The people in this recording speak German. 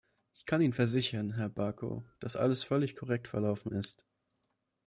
Ich kann Ihnen versichern, Herr Baco, dass alles völlig korrekt verlaufen ist.